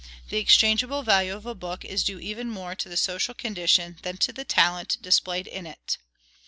The exchangeable value of a book is due even more to the SOCIAL CONDITION than to the talent displayed in it.